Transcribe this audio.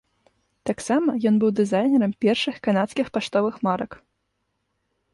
Таксама ён быў дызайнерам першых канадскіх паштовых марак.